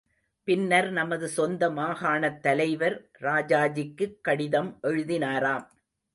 பின்னர் நமது சொந்த மாகாணத் தலைவர் ராஜாஜிக்குக் கடிதம் எழுதினாராம்.